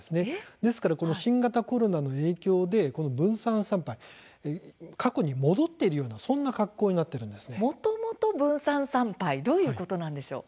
ですから、この新型コロナの影響で、分散参拝過去に戻ったようなもともと分散参拝どういうことなんでしょうか。